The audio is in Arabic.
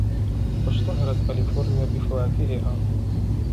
اشتهرت كاليفورنيا بفواكهها.